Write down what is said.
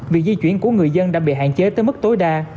việc di chuyển của người dân đã bị hạn chế tới mức tối đa